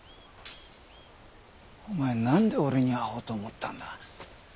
お前なんで俺に会おうと思ったんだ？